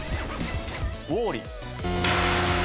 ウォーリー。